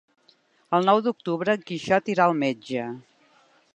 El nou d'octubre en Quixot irà al metge.